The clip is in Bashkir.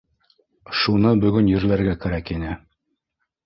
Шуны бөгөн ерләргә кәрәк ине.